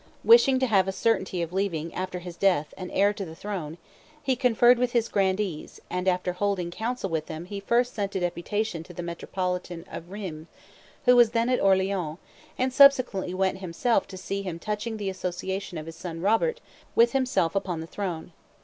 Wishing to have a certainty of leaving, after his death, an heir to the throne, he conferred with his grandees, and after holding council with them he first sent a deputation to the metropolitan of Rheims, who was then at Orleans, and subsequently went himself to see him touching the association of his son Robert with himself upon the throne.